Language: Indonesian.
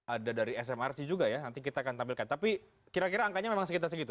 ada dari smrc juga ya nanti kita akan tampilkan tapi kira kira angkanya memang sekitar segitu